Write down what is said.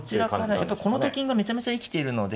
やっぱこのと金がめちゃめちゃ生きているので。